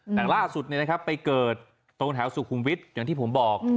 แต่ล่าสุดไปเกิดตรงแถวสุขุมวิทย์อย่างที่ผมบอก